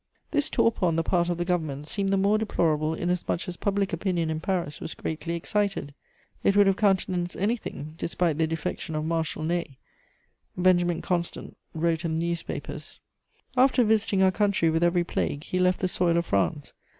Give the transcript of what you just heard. This torpor on the part of the Government seemed the more deplorable inasmuch as public opinion in Paris was greatly excited; it would have countenanced anything, despite the defection of Marshal Ney. Benjamin Constant wrote in the newspapers: "After visiting our country with every plague, he left the soil of France.